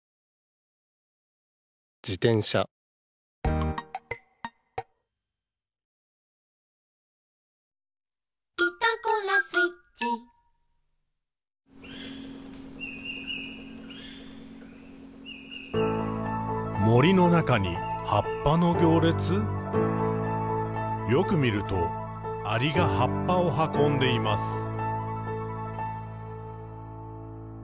「自転車」「森の中に、葉っぱの行列」「よく見ると、アリが葉っぱをはこんでいます。」